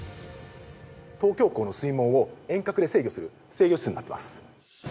東京港の水門を遠隔で制御する制御室になっています。